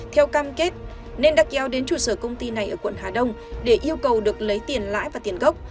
theo cam kết nên đặt giao đến chủ sở công ty này ở quận hà đông để yêu cầu được lấy tiền lãi và tiền gốc